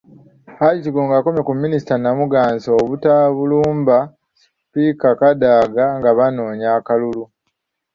Hajji Kigongo akomye ku Minisita Namuganza obutalumba Sipiika Kadaga nga banoonya akalulu.